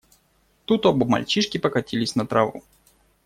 Тут оба мальчишки покатились на траву.